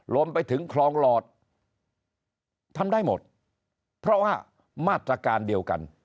รวมไปถึงคลองหลอดทำได้หมดเพราะว่ามาตรการเดียวกัน